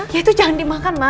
ya itu jangan dimakan